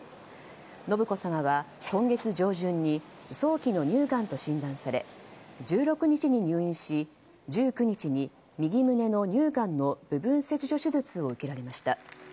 信子さまは、今月上旬に早期の乳がんと診断され１６日に入院し１９日に右胸の乳がんの部分切除手術を受けられました。